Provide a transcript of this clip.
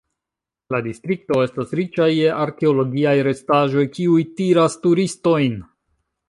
La distrikto estas riĉa je arkeologiaj restaĵoj, kiuj tiras turistojn.